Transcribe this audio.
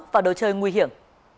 và đồ chơi nguy hiểm